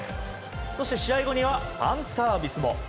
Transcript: そして試合後にはファンサービスも。